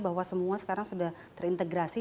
bahwa semua sekarang sudah terintegrasi